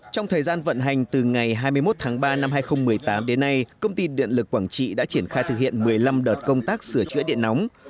trong thời gian vận hành từ ngày hai mươi một tháng ba năm hai nghìn một mươi tám đến nay công ty điện lực quảng trị đã triển khai thực hiện một mươi năm đợt công tác sửa chữa điện nóng